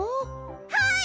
はい！